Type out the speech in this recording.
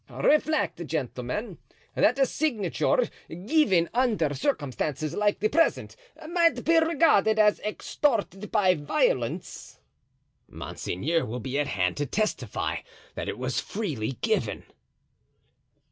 "Reflect, gentlemen, that a signature given under circumstances like the present might be regarded as extorted by violence." "Monseigneur will be at hand to testify that it was freely given."